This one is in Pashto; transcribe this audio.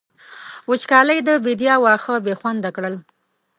وچکالۍ د بېديا واښه بې خونده کړل.